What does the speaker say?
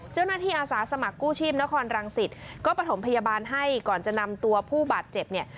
เจ้านักที่อาศาสตร์สมัครกู้ชีพนครรังสิชก็ประถมพยาบาลให้ก่อนจะนำตัวผู้บาดเจ็บเนี้ย